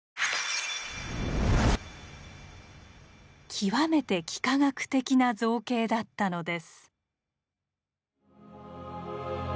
極めて幾何学的な造形だったのです。